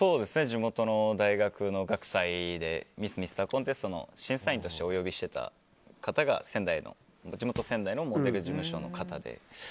地元の大学の学祭でミス・ミスターコンテストの審査員としてお呼びしていた方が地元・仙台のモデル事務所の方で。